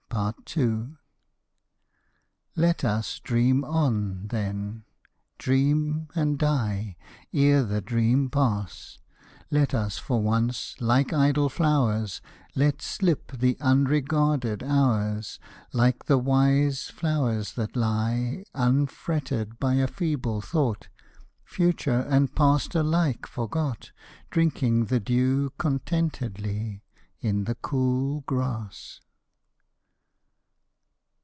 II. Let us dream on, then, dream and die Ere the dream pass. Let us for once, like idle flowers, Let slip the unregarded hours, Like the wise flowers that lie Unfretted by a feeble thought, Future and past alike forgot, Drinking the dew contentedly In the cool grass.